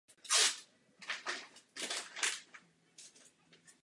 V každém článku se v pravé bočnici nacházejí dvoje skládací dveře ovládané elektricky.